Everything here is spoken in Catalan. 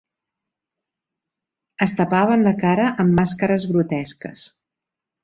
Es tapaven la cara amb màscares grotesques.